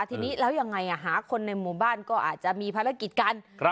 ทีนี้แล้วยังไงหาคนในหมู่บ้านก็อาจจะมีภารกิจกัน